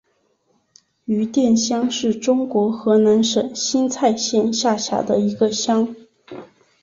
余店乡是中国河南省新蔡县下辖的一个乡。